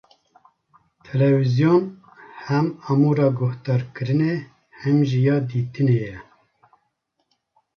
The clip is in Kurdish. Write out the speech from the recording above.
Televizyon hem amûra guhdarkirinê, hem jî ya dîtinê ye.